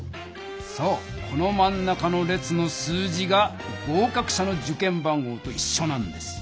そうこのまん中の列の数字が合かく者の受験番号といっしょなんです。